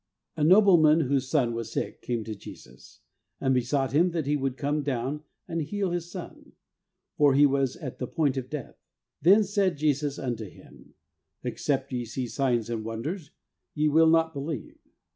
A nobleman whose son was sick came to Jesus, 'and besought Him that He would come down, and heal his son : for he was at the point of death. Then said Jesus unto him. Except ye see signs and wonders, ye will not believe.